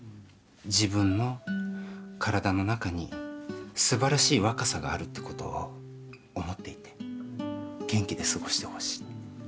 自分の体の中にすばらしい若さがあるってことを思っていて元気で過ごしてほしい。